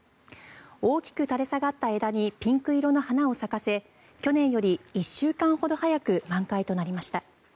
大きく垂れ下がった枝にピンク色の花を咲かせ去年より１週間ほど早く満開となりました。